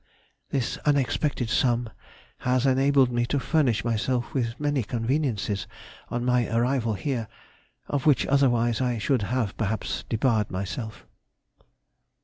This unexpected sum has enabled me to furnish myself with many conveniences on my arrival here, of which otherwise I should have perhaps debarred myself.